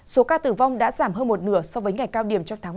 số ca tử vong đã giảm hơn một nửa so với ngày cao điểm trong tháng một mươi